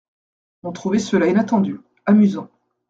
On trouvait cela inattendu, amusant.